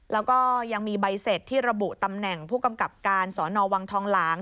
แล้วก็ยังมีใบเสร็จที่ระบุตำแหน่งผู้กำกับการสอนอวังทองหลาง